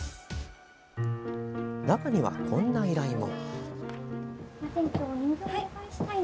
中には、こんな依頼も。